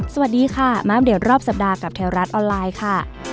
สวัสดีค่ะมาอัปเดตรอบสัปดาห์กับแถวรัฐออนไลน์ค่ะ